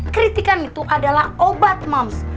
kritikan itu adalah obat moms